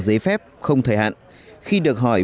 giấy phép không thời hạn khi được hỏi